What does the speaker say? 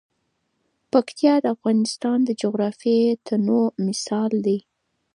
پکتیکا د افغانستان د جغرافیوي تنوع مثال دی.